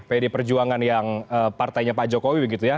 pd perjuangan yang partainya pak jokowi begitu ya